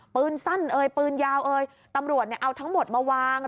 ปืนสั้นเอ่ยปืนยาวเอยตำรวจเนี่ยเอาทั้งหมดมาวาง